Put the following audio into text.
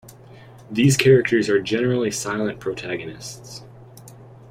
These characters are generally silent protagonists.